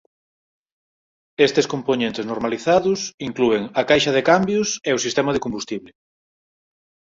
Estes compoñentes normalizados inclúen a caixa de cambios e o sistema de combustible.